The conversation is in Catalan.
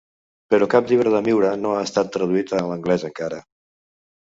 Però cap llibre de Miura no ha estat traduït a l'anglès encara.